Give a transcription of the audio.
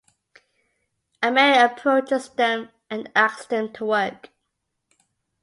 A man approaches them and asked them to work.